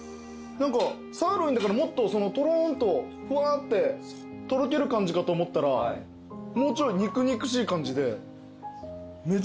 サーロインだからもっととろんとふわってとろける感じかと思ったらもうちょい肉々しい感じでめちゃくちゃおいしいです。